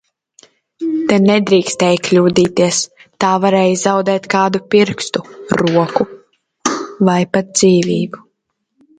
Te nedrīkstēja kļūdīties, tā varēja zaudēt kādu pirkstu, roku vai pat dzīvību.